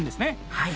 はい。